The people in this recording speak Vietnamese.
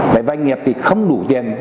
vậy doanh nghiệp thì không đủ tiền